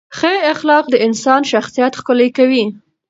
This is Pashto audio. ښه اخلاق د انسان شخصیت ښکلي کوي.